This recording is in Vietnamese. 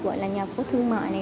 gọi là nhà phố thương mại này